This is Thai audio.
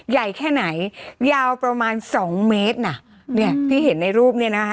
ใหญ่แค่ไหนยาวประมาณสองเมตรน่ะเนี่ยที่เห็นในรูปเนี่ยนะคะ